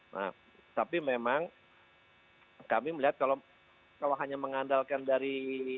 nah tapi memang kami melihat kalau hanya mengandalkan dari